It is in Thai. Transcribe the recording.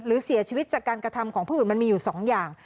หรือเสียชีวิตจากการกระทำของผู้อื่นมันมีอยู่๒อย่าง